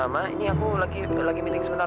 mama ini aku lagi meeting sebentar